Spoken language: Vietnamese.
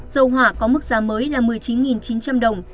dầu hỏa có mức giá mới là một mươi chín chín trăm linh đồng